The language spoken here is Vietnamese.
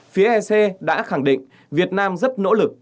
phía ec đã khẳng định việt nam rất nỗ lực